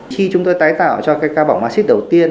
khi chúng tôi tái tạo cho cái ca bỏng maxit đầu tiên